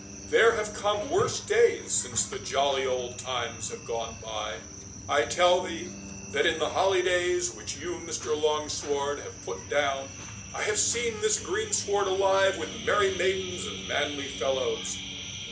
There have come worse days since the jolly old times have gone by:—I tell thee, that in the holydays which you, Mr. Longsword, have put down, I have seen this greensward alive with merry maidens and manly fellows.